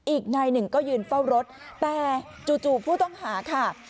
อีกนายหนึ่งก็ยืนเฝ้ารถแต่จู่ผู้ต้องหาค่ะ